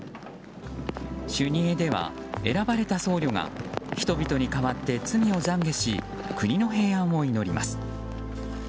修二会では選ばれた僧侶が人々に代わって罪を懺悔し国の平安を祈ります。